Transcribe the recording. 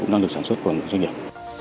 cũng đang được sản xuất của doanh nghiệp